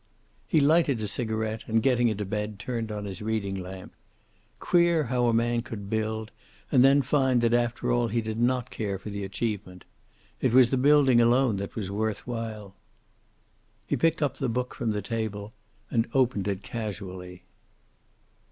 He lighted a cigaret, and getting into bed turned on his reading lamp. Queer how a man could build, and then find that after all he did not care for the achievement. It was the building alone that was worth while. He picked up the book from the table, and opened it casually.